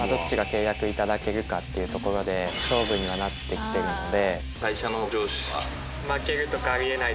いただけるかっていうところで勝負にはなって来てるので。